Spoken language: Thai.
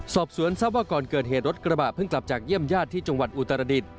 สอบสวนทรัพย์ว่าก่อนเกิดเหตุรถกระบะเพิ่งกลับจากเยี่ยมญาติที่จังหวัดอุตรดิษฐ